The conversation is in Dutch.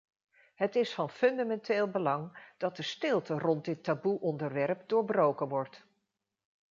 Het is van fundamenteel belang dat de stilte rond dit taboe-onderwerp doorbroken wordt.